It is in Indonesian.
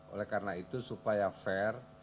oleh karena itu supaya fair